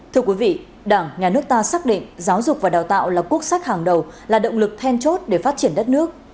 thưa quý vị đảng nhà nước ta xác định giáo dục và đào tạo là quốc sách hàng đầu là động lực then chốt để phát triển đất nước